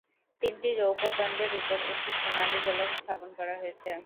তিনটি রৌপ্য দণ্ডের উপর একটি সোনালী গোলক স্থাপন করা হয়েছে।